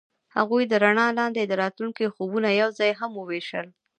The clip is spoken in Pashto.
هغوی د رڼا لاندې د راتلونکي خوبونه یوځای هم وویشل.